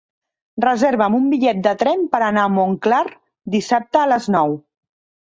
Reserva'm un bitllet de tren per anar a Montclar dissabte a les nou.